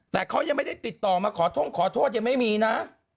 แต่เขายังไม่ได้ติดต่อมาขอท่งขอโทษยังไม่มีนะ